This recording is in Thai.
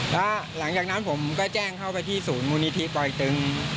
แล้วหลังจากนั้นผมก็แจ้งเข้าไปที่ศูนย์มูลนิธิปลอยตึง